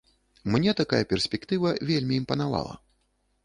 Мне такая перспектыва вельмі імпанавала.